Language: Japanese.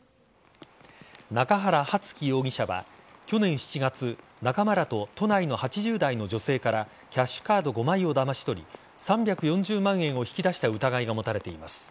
中原承輝容疑者は去年７月仲間らと都内の８０代の女性からキャッシュカード５枚をだまし取り３４０万円を引き出した疑いが持たれています。